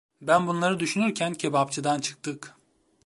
Ben bunları düşünürken kebapçıdan çıktık.